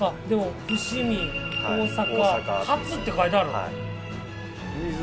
「伏見」「大阪発」って書いてある。